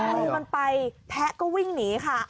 งูมันไปแพะก็วิ่งหนีค่ะ